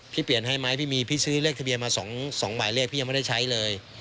พี่เปลี่ยนให้ไหมพี่มีพี่ซื้อเลขทะเบียนมา๒หมายเลขพี่ยังไม่ได้ใช้เลย